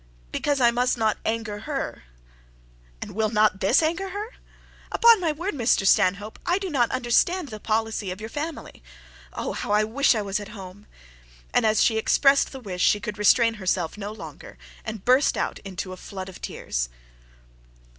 'Because I must not anger her.' 'And will not this anger her? Upon my word, Mr Stanhope, I do not understand the policy of your family. Oh, how I wish I was at home!' And as she expressed this wish, she could restrain herself no longer, but burst out into a flood of tears.